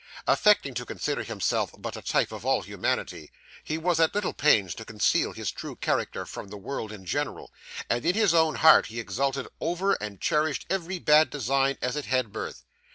Affecting to consider himself but a type of all humanity, he was at little pains to conceal his true character from the world in general, and in his own heart he exulted over and cherished every bad design as it had birth.